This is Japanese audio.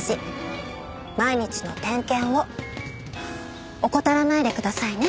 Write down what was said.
毎日の点検を怠らないでくださいね。